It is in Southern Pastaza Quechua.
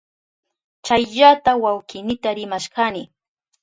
Chayllata wawkiynita rimashkani.